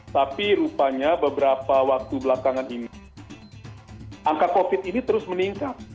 tapi rupanya beberapa waktu belakangan ini angka covid ini terus meningkat